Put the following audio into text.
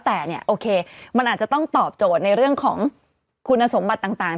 แต่เนี่ยโอเคมันอาจจะต้องตอบโจทย์ในเรื่องของคุณสมบัติต่าง